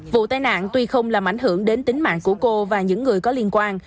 vụ tai nạn tuy không làm ảnh hưởng đến tính mạng của cô và những người có liên quan